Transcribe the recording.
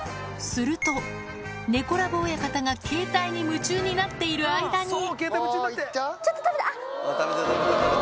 すると、猫ラブ親方が携帯に夢中になっている間に。